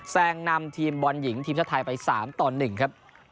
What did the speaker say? แซงนำทีมบอลหญิงทีมชาติไทยไป๓ต่อ๑ครับ